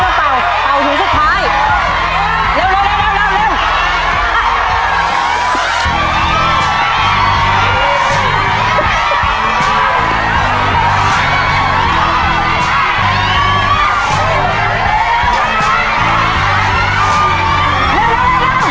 ไม่ต้องเป่าเป่าถูกสุดท้ายเร็วเร็วเร็วเร็วเร็ว